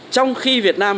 trong khi việt nam